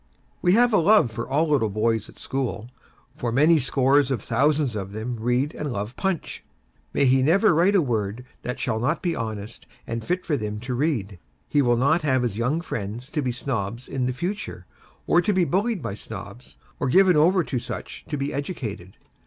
We have a love for all little boys at school; for many scores of thousands of them read and love PUNCH: may he never write a word that shall not be honest and fit for them to read! He will not have his young friends to be Snobs in the future, or to be bullied by Snobs, or given over to such to be educated.